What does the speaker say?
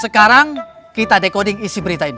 sekarang kita dekoding isi berita ini